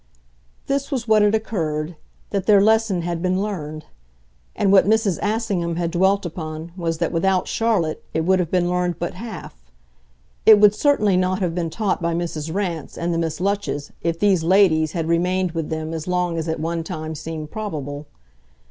This was what had occurred, that their lesson had been learned; and what Mrs. Assingham had dwelt upon was that without Charlotte it would have been learned but half. It would certainly not have been taught by Mrs. Rance and the Miss Lutches if these ladies had remained with them as long as at one time seemed probable.